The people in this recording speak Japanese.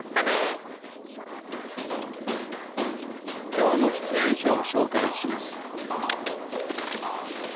きょうのしゅつえんしゃをしょうかいしますパチッ。